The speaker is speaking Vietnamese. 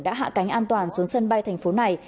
đã hạ cánh an toàn xuống sân bay thành phố này